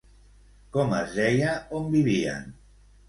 Com es deia on vivien?